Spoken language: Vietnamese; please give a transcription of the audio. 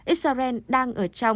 israel đang ở trong một mối đe dọa lớn